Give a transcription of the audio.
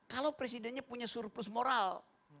kalau presidennya punya surplus moral